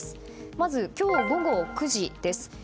まず今日午後９時です。